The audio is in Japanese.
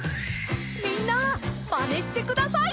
みんなまねしてください。